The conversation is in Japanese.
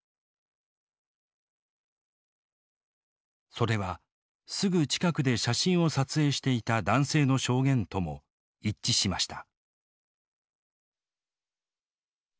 それはすぐ近くで写真を撮影していた男性の証言とも一致しました。